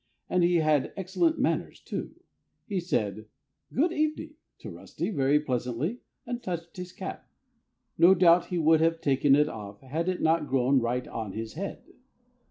And he had excellent manners, too. He said "Good evening!" to Rusty very pleasantly and touched his cap. No doubt he would have taken it off had it not grown right on his head.